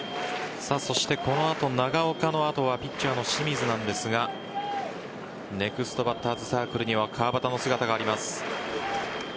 そしてこの後、長岡の後はピッチャーの清水なんですがネクストバッターズサークルには川端の姿があります。